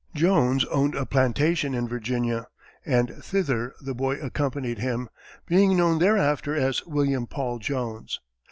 Jones owned a plantation in Virginia, and thither the boy accompanied him, being known thereafter as William Paul Jones.